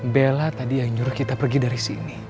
bella tadi yang nyuruh kita pergi dari sini